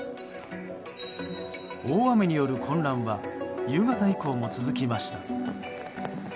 大雨による混乱は夕方以降も続きました。